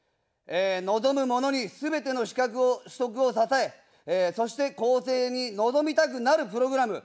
望む者に、すべての資格を、取得を支え、そして更生に臨みたくなるプログラム。